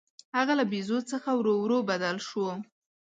هغه له بیزو څخه ورو ورو بدل شو.